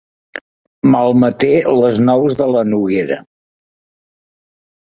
Malmeté les nous de la noguera.